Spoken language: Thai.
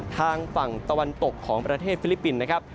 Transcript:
ทางฝั่งตะวันตกของประเทศฟิลิปปินส์นะครับ